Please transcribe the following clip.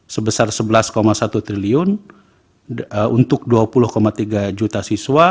sebesar rp sebelas satu triliun untuk dua puluh tiga juta siswa